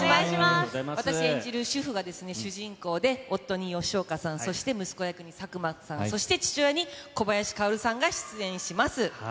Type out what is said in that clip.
私演じる主婦が主人公で、夫に吉岡さん、そして息子役に作間さん、そして父親役に小林薫さんが出演します。